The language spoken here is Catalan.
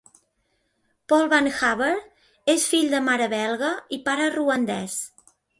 Paul Van Haver és fill de mare belga i pare ruandès.